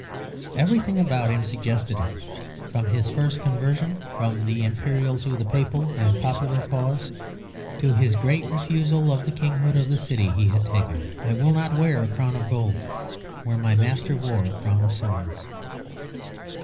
Everything about him suggests it; from his first conversion from the imperial to the papal (and popular) cause, to his great refusal of the kinghood of the city he had taken; "I will not wear a crown of gold where my Master wore a crown of thorns."